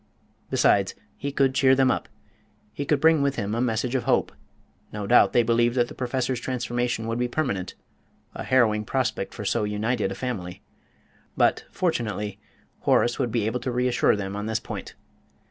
Besides, he could cheer them up; he could bring with him a message of hope. No doubt they believed that the Professor's transformation would be permanent a harrowing prospect for so united a family; but, fortunately, Horace would be able to reassure them on this point.